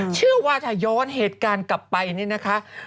เชื่อว่าถ้าย้อนเหตุการณ์กลับไปนี่นะคะ